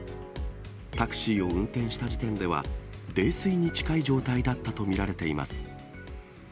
タクシーを運転した時点では、泥酔に近い状態だったと見られています。